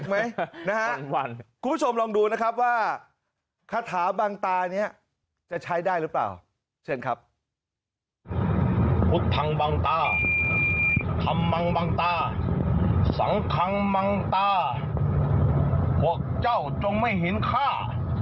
ทำมังบางตาสังขังมังตาพวกเจ้าจงไม่เห็นข้า